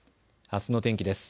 あすの天気です。